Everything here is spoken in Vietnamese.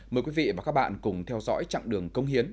mời quý vị và các bạn cùng theo dõi chặng đường công hiến